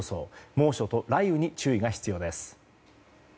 猛暑と雷雨に注意が必要です。